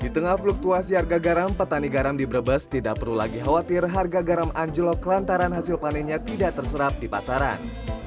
di tengah fluktuasi harga garam petani garam di brebes tidak perlu lagi khawatir harga garam anjlok lantaran hasil panennya tidak terserap di pasaran